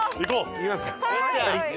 行きますか。